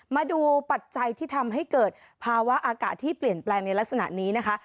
ปัจจัยที่ทำให้เกิดภาวะอากาศที่เปลี่ยนแปลงในลักษณะนี้นะคะ